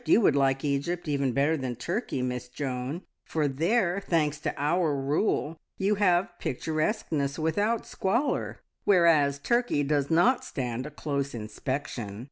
You would like Egypt even better than Turkey, Miss Joan, for there, thanks to our rule, you have picturesqueness without squalor, whereas Turkey does not stand a close inspection.